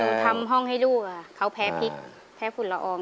ทำห้องให้ลูกค่ะเขาแพ้พริกแพ้ฝุ่นละออง